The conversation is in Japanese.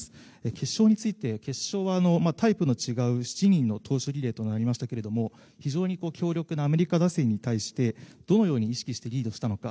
決勝について決勝はタイプの違う７人の投手リレーとなりましたが非常に強力なアメリカ打線に対してどのように意識してリードしたのか。